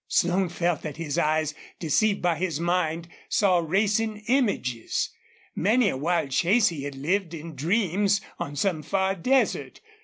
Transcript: Slone felt that his eyes, deceived by his mind, saw racing images. Many a wild chase he had lived in dreams on some far desert.